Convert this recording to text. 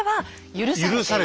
許された。